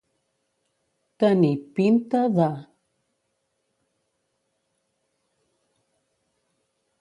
Tenir pinta de.